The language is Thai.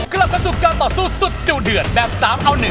กลับมาสู่การต่อสู้สุดจู่เดือดแบบ๓เอา๑